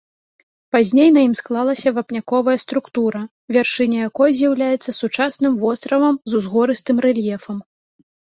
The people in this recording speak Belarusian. Пазней на ім склалася вапняковая структура, вяршыня якой з'яўляецца сучасным востравам з узгорыстым рэльефам.